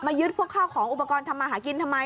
มายึดพวกเขามีอุปกรณ์ทำมาหากินทำไม